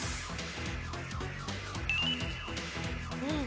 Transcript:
うん。